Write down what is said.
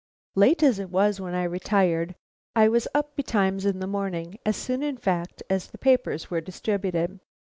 Late as it was when I retired, I was up betimes in the morning as soon, in fact, as the papers were distributed.